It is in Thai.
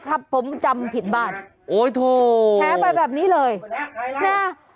ครับผมจำผิดบาทโอ้โธแท้ไปแบบนี้เลยแล้ว